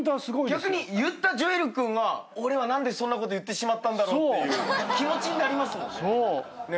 逆に言ったジョエル君は俺は何でそんなこと言ってしまったんだろうっていう気持ちになりますもんね。